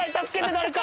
誰か！